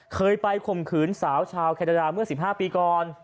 เคยไปข่มขืนสาวชาวแคนาดาเมื่อ๑๕ปีก่อน